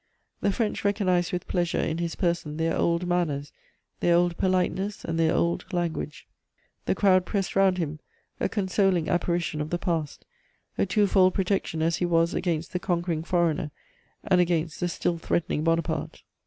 The French recognised with pleasure in his person their old manners, their old politeness and their old language; the crowd pressed round him, a consoling apparition of the past, a twofold protection as he was against the conquering foreigner and against the still threatening Bonaparte.